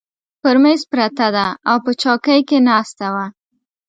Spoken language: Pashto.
پر مېز پرته ده، او په چوکۍ کې ناسته وه.